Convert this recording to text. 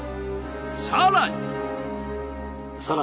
更に。